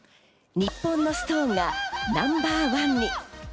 日本のストーンがナンバー１に。